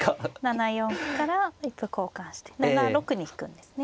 ７四から一歩交換して７六に引くんですね。